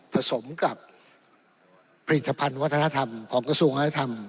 ผสมกับผลิตภัณฑ์วัฒนธรรมของกระทรวงวัฒนธรรม